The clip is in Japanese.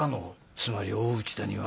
つまり大内田には。